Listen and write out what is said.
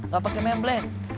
gak pakai membleh